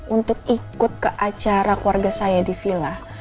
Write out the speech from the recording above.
untuk ikut ke acara keluarga saya di villa